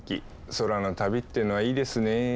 空の旅っていうのはいいですね。